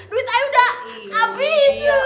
duit i udah abis